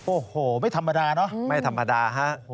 โอ้โหไม่ธรรมดาเนอะไม่ธรรมดาฮะ